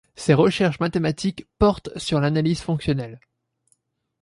Ses recherches mathématiques portent sur l'analyse fonctionnelle.